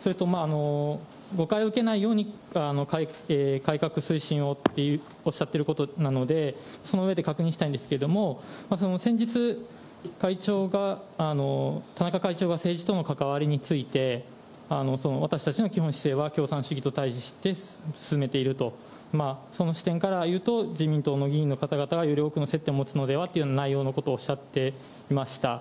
それと、誤解を受けないように、改革推進をっておっしゃってることなので、その上で確認したいんですけど、先日、会長が、田中会長が政治との関わりについて私たちの基本姿勢は共産主義と対じして進めていると、その視点から言うと、自民党の議員の方々が、より多くの接点を持つのではという内容のことをおっしゃっていました。